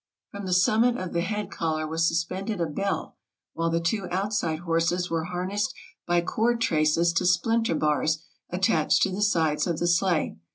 From the summit of the head collar was suspended a bell, while the two outside horses were harnessed by cord traces to splinter bars attached to the sides of the sleigh.